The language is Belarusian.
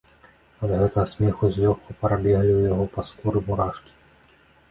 Ад гэтага смеху злёгку прабеглі ў яго па скуры мурашкі.